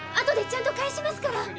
後でちゃんと返しますから。